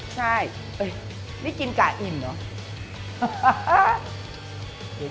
ใช่นี่กินกะอิ่มเหรอ